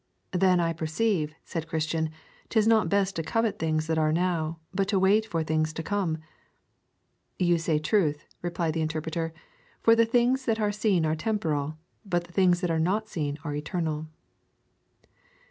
'Then I perceive,' said Christian, ''tis not best to covet things that are now, but to wait for things to come.' 'You say truth,' replied the Interpreter, 'for the things that are seen are temporal, but the things that are not seen are eternal.'